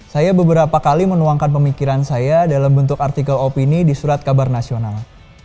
saya beberapa kali menuangkan pemikiran saya dalam bentuk artikel opini di surat kabar nasional